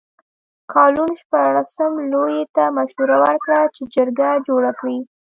کالون شپاړسم لویي ته مشوره ورکړه چې جرګه جوړه کړي.